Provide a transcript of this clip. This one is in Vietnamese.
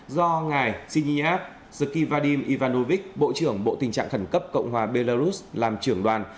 do ngài sinyiak zkivadim ivanovich bộ trưởng bộ tình trạng khẩn cấp cộng hòa belarus làm trưởng đoàn